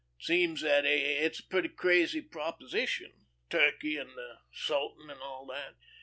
It seems that it's a pretty crazy proposition, Turkey and the Sultan and all that.